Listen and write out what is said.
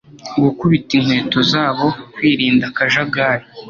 gukubita inkweto zabo kwirinda akajagari